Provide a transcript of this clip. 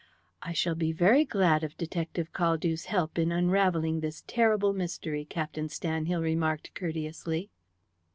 "I shall be very glad of Detective Caldew's help in unravelling this terrible mystery," Captain Stanhill remarked courteously.